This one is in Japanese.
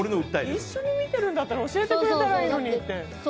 一緒に見てるんだったら教えてくれたらいいのにって。